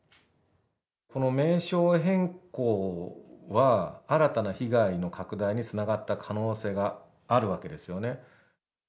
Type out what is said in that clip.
この名称変更は、新たな被害の拡大につながった可能性があるわけですよね。